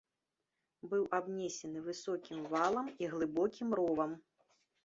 Быў абнесены высокім валам і глыбокім ровам.